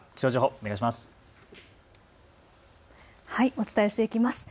お伝えしていきます。